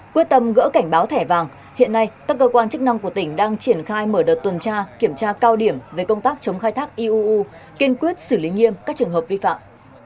quyết tâm gỡ cảnh báo thẻ vàng hiện nay các cơ quan chức năng của tỉnh đang triển khai mở đợt tuần tra kiểm tra cao điểm về công tác chống khai thác iuu kiên quyết xử lý nghiêm các trường hợp vi phạm